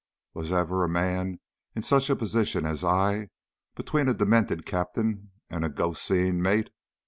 Was ever a man in such a position as I, between a demented captain and a ghost seeing mate?